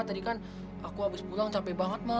tadi kan aku abis pulang capek banget ma